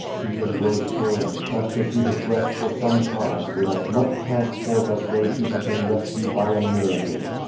He embraced her and pressed her to his breast for some time with as much transport as though she had been rescued by a miracle.